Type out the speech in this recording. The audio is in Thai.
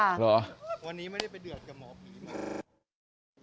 หรือ